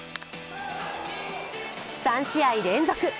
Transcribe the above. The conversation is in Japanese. ３試合連続